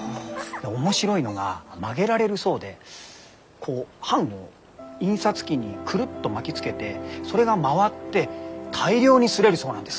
で面白いのが曲げられるそうでこう版を印刷機にくるっと巻きつけてそれが回って大量に刷れるそうなんです。